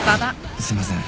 すいません。